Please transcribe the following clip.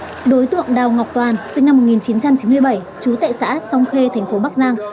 yên dũng đối tượng đào ngọc toàn sinh năm một nghìn chín trăm chín mươi bảy chú tại xã sông khê thành phố bắc giang